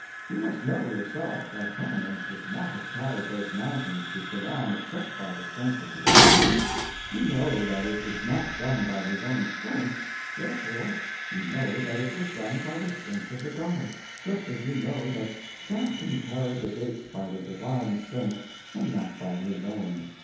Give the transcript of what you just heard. You must know, yourself, that Hanuman could not have carried those mountains to Ceylon except by the strength of the gods. You know that it was not done by his own strength, therefore, you know that it was done by the strength of the gods, just as you know that Samson carried the gates by the divine strength and not by his own.